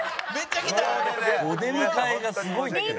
お出迎えがすごいって。